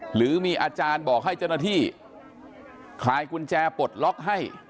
หรือมีอาจารย์บอกให้เจ้าหน้าที่คลายกุญแจปลดล็อกให้